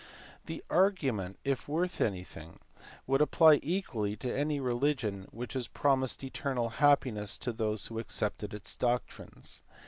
The argu ment, if worth anything, would apply equally to any religion which promised eternal happiness to those who accepted its doctrines.